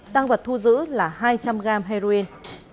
tăng vật thu giữ là hai trăm linh gram heroin